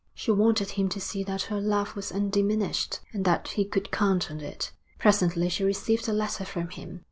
She wanted him to see that her love was undiminished, and that he could count on it. Presently she received a letter from him.